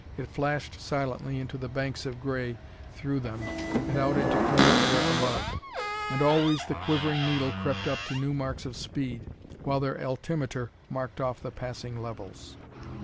It flashed silently into the banks of gray, through them, and out into clear air above. And always the quivering needle crept up to new marks of speed, while their altimeter marked off the passing levels.